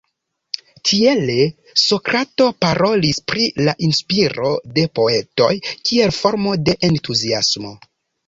Tiele Sokrato parolis pri la inspiro de poetoj kiel formo de Entuziasmo.